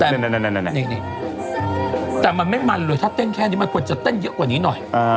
แต่มันไม่มันเลยถ้าเต้นแค่นี้มันควรจะเต้นเยอะกว่านี้หน่อย